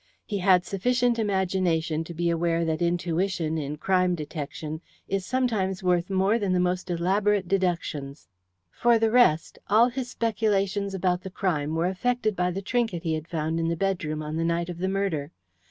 He had sufficient imagination to be aware that intuition, in crime detection, is sometimes worth more than the most elaborate deductions. For the rest, all his speculations about the crime were affected by the trinket he had found in the bedroom on the night of the murder.